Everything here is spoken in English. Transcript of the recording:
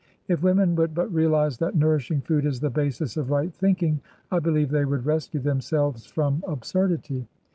If women would but realize that nourishing food is the basis of right thinking, I believe they would rescue themselves from absurdity."